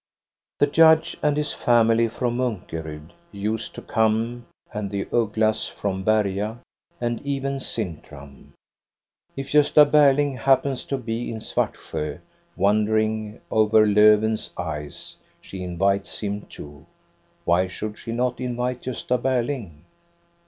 The judge and his family from M;:nkorud used to come, and the Ugglas from l^crcA. And oven Sintram. If Gosta Berling hap peiis to bo in Svartsjo, wandering over Lofven's ice, jihc inviics him too. Why should she not invite i;<.v:a Borling.?